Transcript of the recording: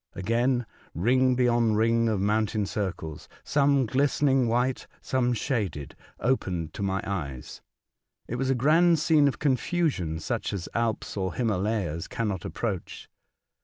Again ring beyond ring of mountain circles — some glistening white, some shaded — opened to my eyes. It was a grand scene of confusion such as Alps or Himalayas cannot approach.